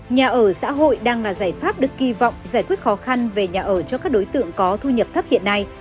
nhà ở xã hội đang là giải pháp được kỳ vọng giải quyết khó khăn về nhà ở cho các đối tượng có thu nhập thấp hiện nay